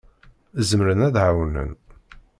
Zemren ad d-ɛawnen.